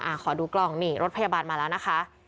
ขอดูกล้องนี่รถพยาบาลมาแล้วนะคะ